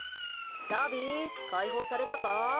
タビ、解放されたか？